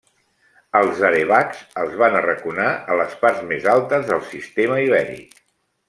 Els arevacs els van arraconar a les parts més altes del sistema Ibèric.